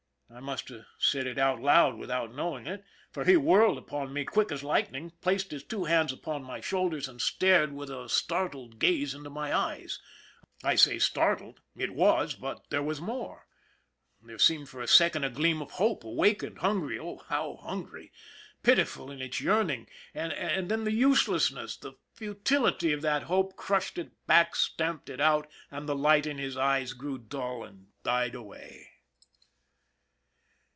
" I must have said it out loud without knowing it, for he whirled upon me quick as ligKtning, placed his two hands upon my shoulders, and stared "IF A MAN DIE" 55 with a startled gaze into my eyes. I say startled. It was, but there was more. There seemed for a second a gleam of hope awakened, hungry, oh, how hungry, pitiful in its yearning, and then the uselessness, the futility of that hope crushed it back, stamped it out, and the light in his eyes grew dull and died away.